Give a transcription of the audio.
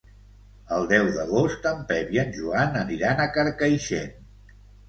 El deu d'agost en Pep i en Joan aniran a Carcaixent.